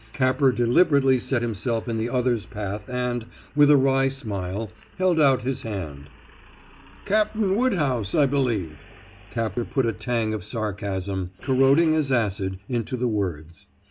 Capper deliberately set himself in the other's path and, with a wry smile, held out his hand. "Captain Woodhouse, I believe." Capper put a tang of sarcasm, corroding as acid, into the words.